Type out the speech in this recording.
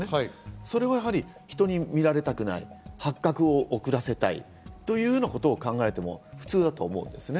それは人に見られたくない、発覚を遅らせたいというようなことを考えても普通だと思うんですね。